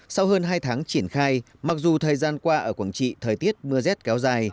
sau hơn hai tháng triển khai mặc dù thời gian qua ở quảng trị thời tiết mưa rét kéo dài